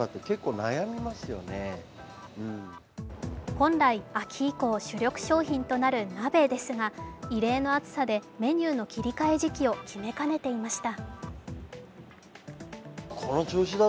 本来、秋以降、主力商品となる鍋ですが、異例の暑さでメニューの切り替え時期を決めかねていました。